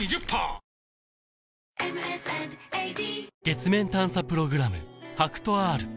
月面探査プログラム